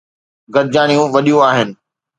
گڏجاڻيون وڏيون آهن.